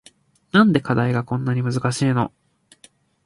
なんで課題がこんなに難しいの